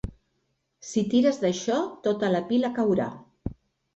Si tires d'això, tota la pila caurà.